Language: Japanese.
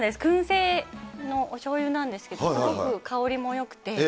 燻製のおしょうゆなんですけど、すごく香りもよくて。